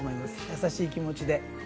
優しい気持ちで。